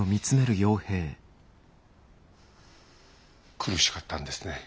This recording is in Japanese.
苦しかったんですね。